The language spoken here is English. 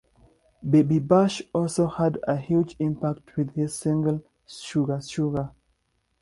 Baby Bash also had a huge impact with his single "Suga Suga".